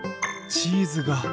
チーズが。